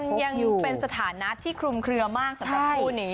ยังอยู่เป็นสถานะที่คลุมเคลือมากสำหรับคู่นี้